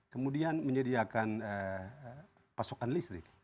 kemudian menyediakan pasokan listrik